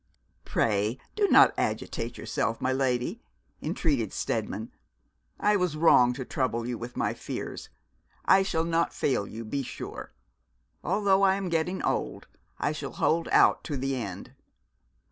'Pray do not agitate yourself, my lady,' entreated Steadman. 'I was wrong to trouble you with my fears. I shall not fail you, be sure. Although I am getting old, I shall hold out to the end.'